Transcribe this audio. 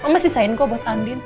masih sayang kok buat andin